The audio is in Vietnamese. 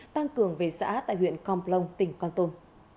tăng cường về xã tại huyện con plong tỉnh con tum